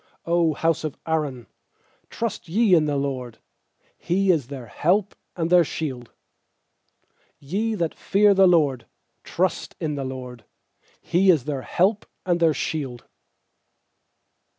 100 house of Aaron, trust ye in the LORD! He is their help and their shield! nYe that fear the LORD, trust in the LORD! He is their help and their shield.